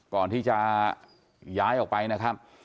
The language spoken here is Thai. ก่อนที่จะย้ายออกไปนะครับ